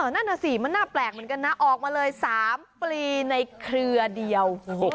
นั่นน่ะสิมันน่าแปลกเหมือนกันนะออกมาเลย๓ปลีในเครือเดียว